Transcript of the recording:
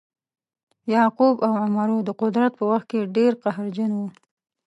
یعقوب او عمرو د قدرت په وخت کې ډیر قهرجن وه.